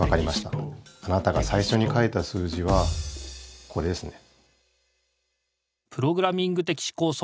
あなたが最初に書いた数字はこれですね。